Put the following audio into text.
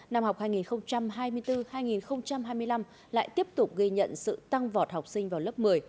năm học hai nghìn hai mươi bốn hai nghìn hai mươi năm lại tiếp tục ghi nhận sự tăng vọt học sinh vào lớp một mươi